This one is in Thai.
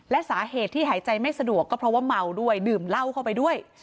และสาเหตุที่หายใจไม่สะดวกก็เพราะว่าเมาด้วยดื่มเหล้าเข้าไปด้วย